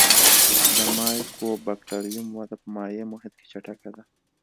د مایکوبکټریوم وده په مایع محیط کې چټکه ده.